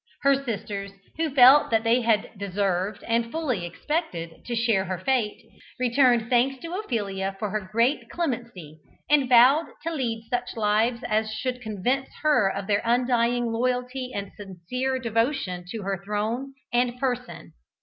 Her sisters, who felt that they had deserved, and fully expected, to share her fate, returned thanks to Ophelia for her great clemency, and vowed to lead such lives as should convince her of their undying loyalty and sincere devotion to her throne and person.